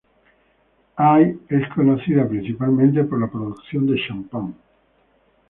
Ay es conocida principalmente por la producción de champán.